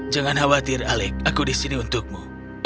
jangan khawatir alec aku di sini untukmu